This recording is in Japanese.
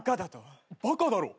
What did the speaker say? バカだろ。